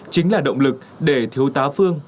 chính là động lực để thiếu tá phương